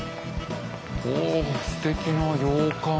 おすてきな洋館。